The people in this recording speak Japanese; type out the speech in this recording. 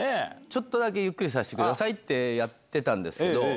ちょっとゆっくりさせてくださいってやってたんですけど。